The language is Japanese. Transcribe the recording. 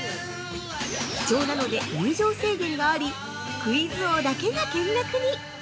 貴重なので入場制限がありクイズ王だけが見学に！